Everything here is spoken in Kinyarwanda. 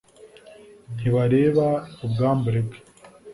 ntibareba ubwambure bwe